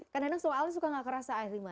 kadang kadang soalnya suka tidak terasa